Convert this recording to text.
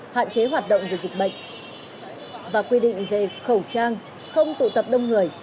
hạn chế hoạt động về dịch bệnh và quy định về khẩu trang không tụ tập đông người